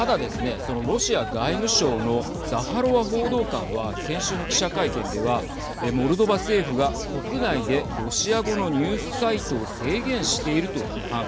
そのロシア外務省のザハロワ報道官は先週の記者会見ではモルドバ政府が国内でロシア語のニュースサイトを制限していると批判。